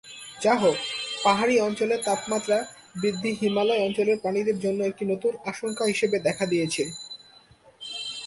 যাহোক, পাহাড়ি অঞ্চলের তাপমাত্রা বৃদ্ধি হিমালয় অঞ্চলের প্রাণীদের জন্য একটি নতুন আশঙ্কা হিসাবে দেখা দিয়েছে।